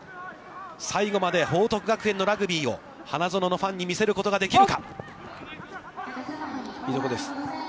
最後まで報徳学園のラグビーを花園のファンに見せることができるか。